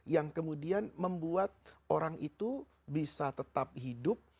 yang kemudian membuat orang itu bisa tetap hidup